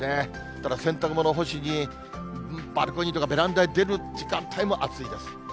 ただ洗濯物を干しにバルコニーとかベランダに出る時間帯も暑いです。